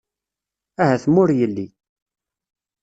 Ahat ma ur yelli.